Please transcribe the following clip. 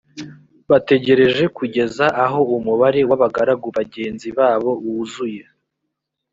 bategereje kugeza aho umubare w’abagaragu bagenzi babo wuzuye